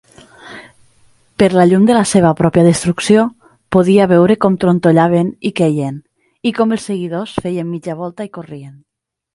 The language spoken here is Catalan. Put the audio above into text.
Per la llum de la seva pròpia destrucció, podia veure com trontollaven i queien, i com els seguidors feien mitja volta i corrien.